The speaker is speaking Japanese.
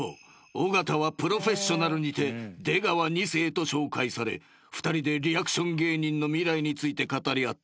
尾形は『プロフェッショナル』にて出川２世と紹介され２人でリアクション芸人の未来について語り合っていた］